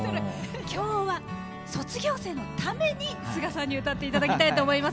今日は卒業生のためにスガさんに歌っていただきたいと思います。